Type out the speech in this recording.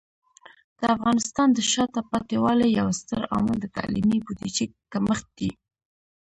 د افغانستان د شاته پاتې والي یو ستر عامل د تعلیمي بودیجې کمښت دی.